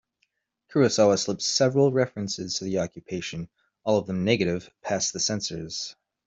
Kurosawa slipped several references to the occupation, all of them negative, past the censors.